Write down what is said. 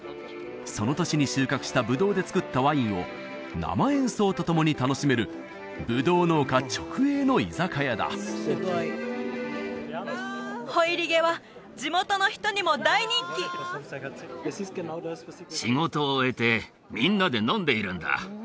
その年に収穫したブドウで造ったワインを生演奏と共に楽しめるブドウ農家直営の居酒屋だホイリゲは地元の人にも大人気仕事を終えてみんなで飲んでいるんだ